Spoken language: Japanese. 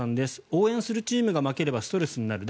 応援するチームが負ければストレスになる。